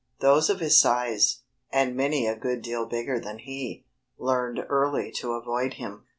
Those of his size, and many a good deal bigger than he, learned early to avoid him.